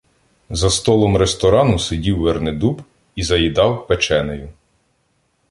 За столом ресторану сидів Вернидуб і заїдав печенею.